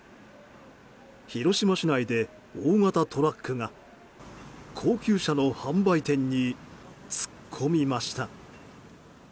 広島市内で、大型トラックが高級車の販売店に突っ込みました。